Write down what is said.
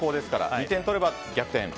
２点取れば逆転です。